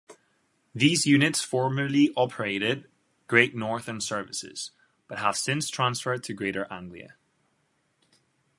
These units formerly operated Great Northern services, but have since transferred to Greater Anglia.